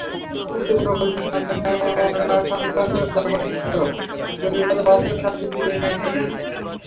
কিন্তু প্রকল্পের সরঞ্জাম কেনাসংক্রান্ত দরপত্র জটিলতায় অর্থ সাহায্য ফিরিয়ে নেয় ইতালি।